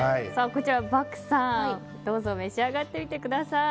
こちら獏さんどうぞ召し上がってみてください。